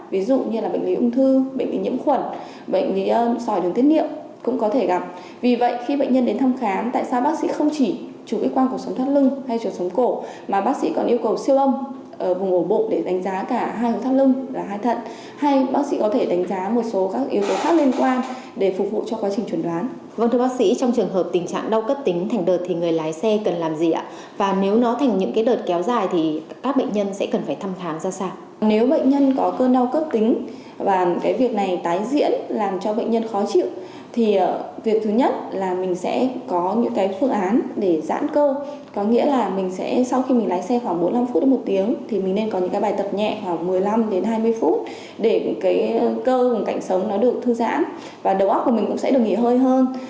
việc thứ nhất là mình sẽ có những phương án để giãn cơ có nghĩa là sau khi mình lái xe khoảng bốn mươi năm phút đến một tiếng thì mình nên có những bài tập nhẹ khoảng một mươi năm đến hai mươi phút để cơ và cảnh sống nó được thư giãn và đầu óc của mình cũng sẽ được nghỉ hơi hơn